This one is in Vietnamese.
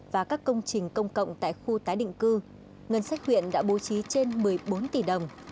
và các công trình công cộng tại khu tái định cư ngân sách huyện đã bố trí trên một mươi bốn tỷ đồng